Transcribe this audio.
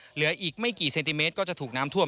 เหลืออีกไม่กี่เซนติเมตรก็จะถูกน้ำท่วม